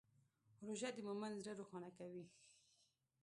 روژه د مؤمن زړه روښانه کوي.